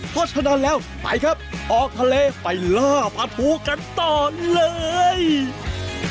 เพราะฉะนั้นละเราไปเข้าไปล่าปลาทูกันต่อเลย